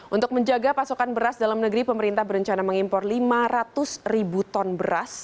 untuk menjaga pasokan beras dalam negeri pemerintah berencana mengimpor lima ratus ribu ton beras